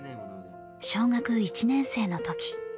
小学１年生のとき。